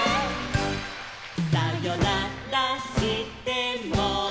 「さよならしても」